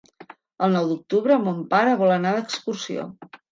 El nou d'octubre mon pare vol anar d'excursió.